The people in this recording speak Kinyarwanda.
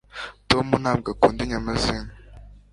tom ntabwo akunda inyama zinka